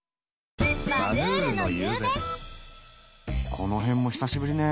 この辺も久しぶりねえ。